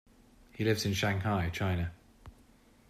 He lives in Shanghai, China.